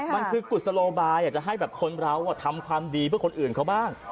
มันคือกุศโลบายอยากจะให้แบบคนเราทำความดีเพื่อคนอื่นเขาบ้าง